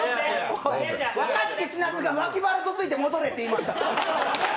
若槻千夏が脇腹つついて戻れっていいました！